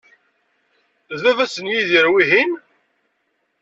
D baba-s n Yidir, wihin?